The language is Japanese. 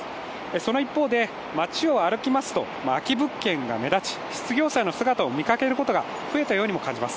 その一方で、街を歩きますと空き物件が目立ち、失業者の姿を見かけることが増えたようにも感じます。